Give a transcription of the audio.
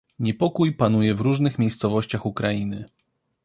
"Niepokój panuje w różnych miejscowościach Ukrainy."